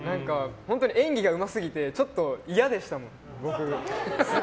演技がうますぎてちょっと嫌でしたもん。